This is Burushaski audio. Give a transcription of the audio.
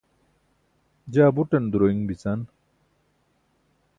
jaa buṭan duroin bican